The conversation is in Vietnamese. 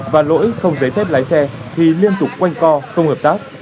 và lỗi không giấy phép lái xe thì liên tục quanh co không hợp tác